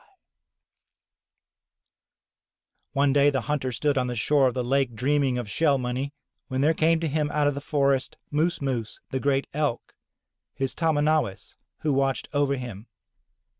'* One day the hunter stood on the shore of the lake dreaming of shell money, when there came to him out of the forest, Moos Moos, the great Elk, his tahmahnawis who watched over him.